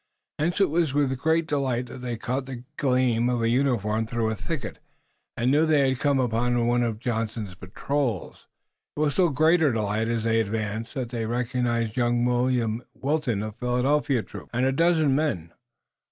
Hence it was with great delight that they caught the gleam of a uniform through a thicket, and knew they had come upon one of Johnson's patrols. It was with still greater delight as they advanced that they recognized young William Wilton of the Philadelphia troop, and a dozen men.